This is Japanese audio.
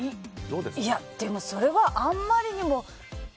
いや、でもそれはあんまりにも。